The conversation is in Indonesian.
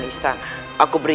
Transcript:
dan pasal lagi se rumahri